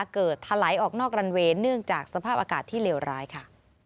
ทะไหลออกนอกรันเวย์เนื่องจากสภาพอากาศที่เลวร้ายค่ะ